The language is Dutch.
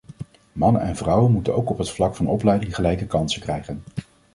Mannen en vrouwen moeten ook op het vlak van opleiding gelijke kansen krijgen.